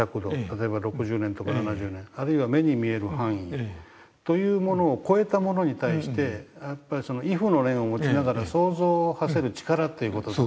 例えば６０年とか７０年あるいは目に見える範囲というものを越えたものに対してやっぱり畏怖の念を持ちながら想像をはせる力という事。